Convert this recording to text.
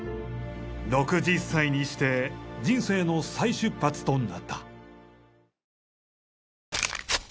６０歳にして人生の再出発となった。